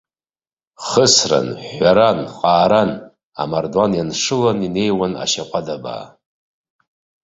Хысран, ҳәҳәаран, ҟааран, амардуан ианшылан инеиуан ашьаҟәадабаа.